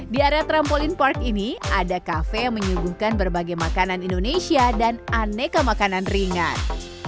di area trampolin park ini ada kafe yang menyuguhkan berbagai makanan indonesia dan aneka makanan ringan